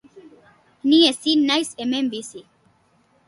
Ni ezin naiz hemen bizi.